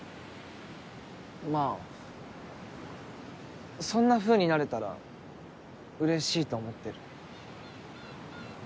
まぁそんなふうになれたらうれしいと思ってる。